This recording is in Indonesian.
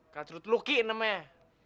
kacrut lucky namanya